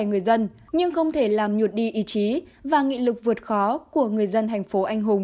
người dân nhưng không thể làm nhột đi ý chí và nghị lực vượt khó của người dân thành phố anh hùng